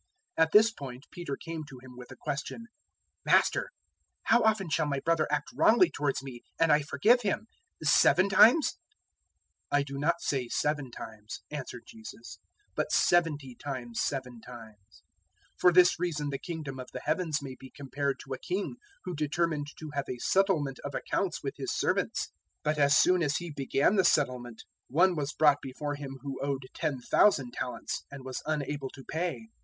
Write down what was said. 018:021 At this point Peter came to Him with the question, "Master, how often shall my brother act wrongly towards me and I forgive him? seven times?" 018:022 "I do not say seven times," answered Jesus, "but seventy times seven times. 018:023 "For this reason the Kingdom of the Heavens may be compared to a king who determined to have a settlement of accounts with his servants. 018:024 But as soon as he began the settlement, one was brought before him who owed 10,000 talents, 018:025 and was unable to pay.